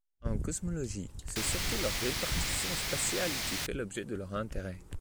En cosmologie, c'est surtout leur répartition spatiale qui fait l'objet de leur intérêt.